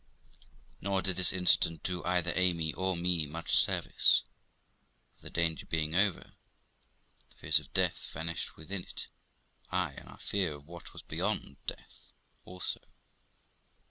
Nor did this incident do either Amy or me much service, for, the danger being over, the fears of death vanished with it ; ay, and our fear of what was beyond death also.